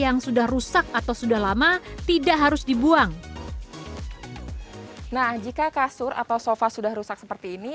nah jika kasur atau sofa sudah rusak seperti ini